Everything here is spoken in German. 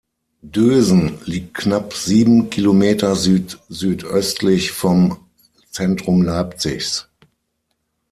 Dösen liegt knapp sieben Kilometer südsüdöstlich vom Zentrum Leipzigs.